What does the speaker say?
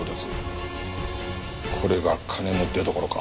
これが金の出どころか。